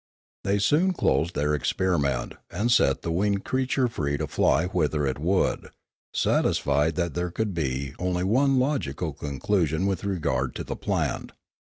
They soon closed their experiment, and set the winged creature free to fly whither it would, satisfied that there could be only one logical conclusion with regard to the plant.